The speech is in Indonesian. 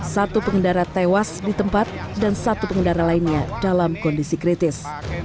satu pengendara tewas di tempat dan satu pengendara lainnya dalam kondisi kritis